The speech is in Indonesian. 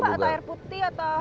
atau air putih